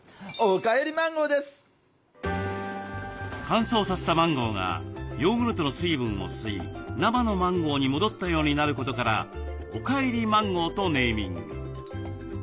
乾燥させたマンゴーがヨーグルトの水分を吸い生のマンゴーに戻ったようになることから「おかえりマンゴー」とネーミング。